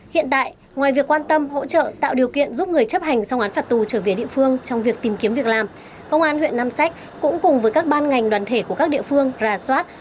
hiện tại ngoài việc quan tâm hỗ trợ tạo điều kiện giúp người chấp hành xong án phạt tù trở về địa phương trong việc tìm kiếm việc làm công an huyện nam sách cũng cùng với các ban ngành đoàn thể của các địa phương rà soát